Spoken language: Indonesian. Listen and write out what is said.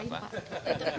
terima kasih pak